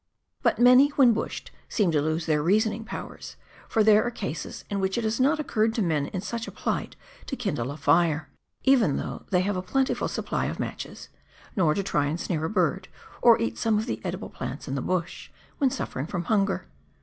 But many when "bushed" seem to lose their reasoning powers, for there are cases in which it has not occurred to men in such a plight to kindle a fire, even though they have a plentiful supply of matches, nor to try and snare a bird, or eat some of the edible plants in the bush when suffering from hunger.